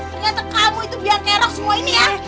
ternyata kamu itu biar nerok semua ini ya